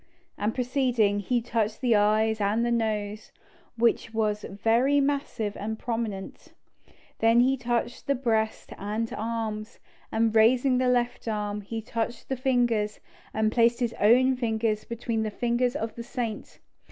And proceeding, he touched the eyes and the nose, which was very massive and prominent. Then he touched the breast and arms, and raising the left arm, he touched the fingers, and placed his own fingers between the fingers of the saint.